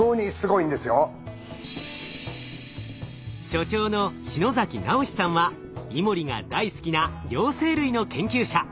所長の篠崎尚史さんはイモリが大好きな両生類の研究者。